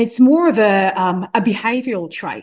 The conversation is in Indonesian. dan itu lebih dari peraturan perangkat